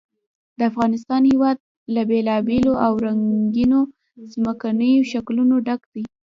د افغانستان هېواد له بېلابېلو او رنګینو ځمکنیو شکلونو ډک دی.